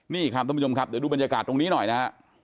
นี่ครับท่านผู้ชมครับเดี๋ยวดูบรรยากาศตรงนี้หน่อยนะฮะ